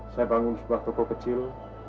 saya bangun sebuah toko kecil